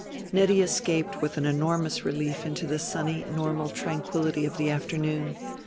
Nettie escaped with an enormous relief into the sunny normal tranquility of the afternoon.